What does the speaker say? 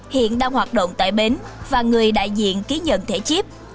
hiện đang hoạt động tại bến và người đại diện ký nhận thẻ chip